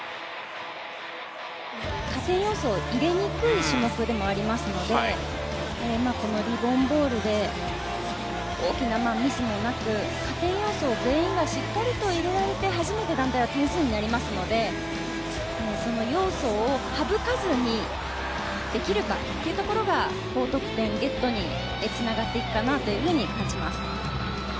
加点要素を入れにくい種目でもありますのでこのリボン・ボールで大きなミスもなく加点要素を全員がしっかりと入れられて初めて団体は点数になりますのでその要素を省かずにできるかというところが高得点ゲットにつなげっていくかなと感じます。